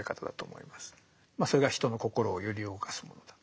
まあそれが人の心を揺り動かすものだ。